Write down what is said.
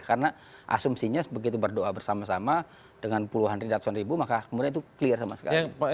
karena asumsinya begitu berdoa bersama sama dengan puluhan riba ratusan ribu maka kemudian itu clear sama sekali